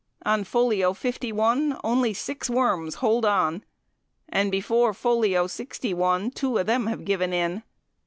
On folio 51 only six worms hold on, and before folio 61 two of them have given in.